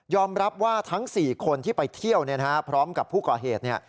รับว่าทั้ง๔คนที่ไปเที่ยวพร้อมกับผู้ก่อเหตุ